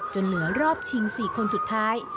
จนเหลือรอบชิง๔คนสุดท้าย